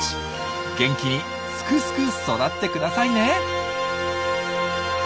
元気にすくすく育ってくださいね！